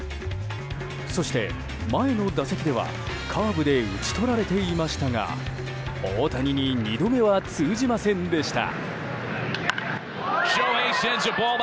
そして、前の打席ではカーブで打ち取られていましたが大谷に２度目は通じませんでした。